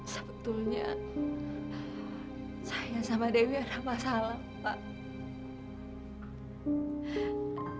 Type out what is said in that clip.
sebetulnya saya sama dewi ada masalah pak